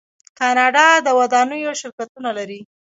کاناډا د ودانیو شرکتونه لري.